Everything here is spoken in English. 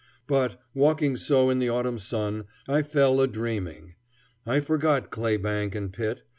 But, walking so in the autumn sun; I fell a dreaming. I forgot claybank and pit.